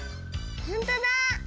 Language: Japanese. ほんとだ！